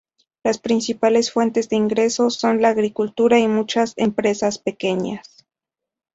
Las principales fuentes de ingresos son la agricultura y las muchas empresas pequeñas.